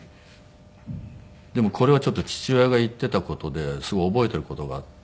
でもこれはちょっと父親が言っていた事ですごい覚えている事があって。